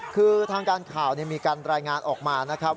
คือทางการข่าวมีการรายงานออกมานะครับ